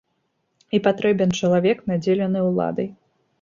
І патрэбен чалавек, надзелены уладай.